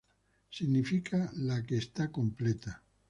Significa "la que está completa".